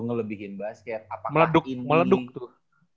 ngelebihin basket apa meleduk meleduk tuh